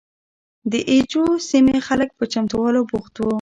د اي جو سیمې خلک په چمتوالي بوخت وو.